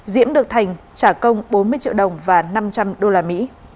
diễm được thành trả công bốn mươi triệu đồng và năm trăm linh usd